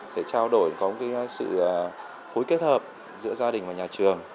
để trao đổi có một sự phối kết hợp giữa gia đình và nhà trường